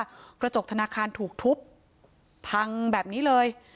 บอกว่ากระจกธนาคารถูกทุบทางแบบนี้เลย